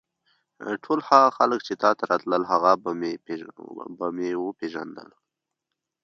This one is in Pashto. ټول هغه خلک چې تا ته راتلل هغه به مې وپېژندل.